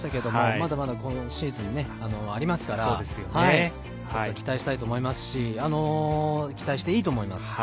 まだまだこのシーズンありますから期待したいと思いますし期待していいと思います。